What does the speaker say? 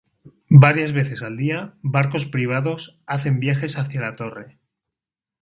Varias veces al día barcos privados hacen viajes hacia la torre.